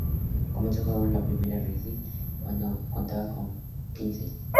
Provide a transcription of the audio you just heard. Comenzó a jugar en la primera de Racing cuando contaba con quince años.